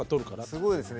すごいですね。